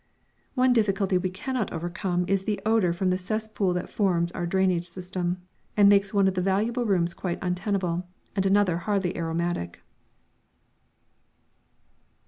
One difficulty we cannot overcome is the odour from the cesspool that forms our drainage system, and makes one of the valuable rooms quite untenantable and another hardly aromatic!